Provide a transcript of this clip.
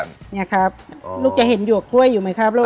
นี่ครับลูกจะเห็นหยวกกล้วยอยู่ไหมครับลูก